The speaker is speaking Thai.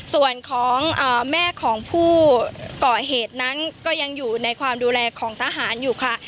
ส่วนของแม่ของผู้เกาะเหตุนั้นก็ยังอยู่ในความดูแลของทหารอยู่ค่ะ